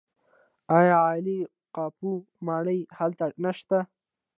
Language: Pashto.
آیا عالي قاپو ماڼۍ هلته نشته؟